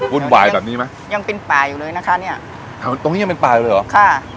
ุ่นวายแบบนี้ไหมยังเป็นป่าอยู่เลยนะคะเนี้ยแถวตรงนี้ยังเป็นป่าเลยเหรอค่ะ